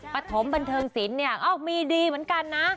ปฐมบันเทิงศิลป์เนี่ยเอ้ามีดีเหมือนกันนะ